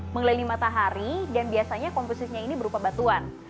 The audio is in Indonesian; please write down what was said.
mengelilingi matahari dan biasanya komposisinya ini berupa batuan